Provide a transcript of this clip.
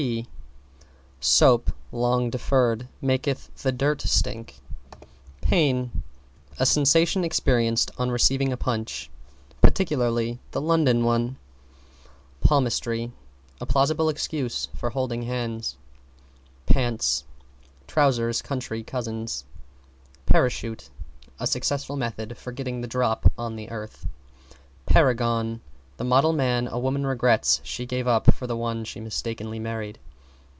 P Soap, long deferred, maketh the dirt stick. =PAIN= A sensation experienced on receiving a Punch, particularly the London one. =PALMISTRY= A plausible excuse for holding hands. =PANTS= Trousers' Country Cousins. =PARACHUTE= A successful method for getting the drop on the Earth. =PARAGON= The model man a woman regrets she gave up for the one she mistakenly married.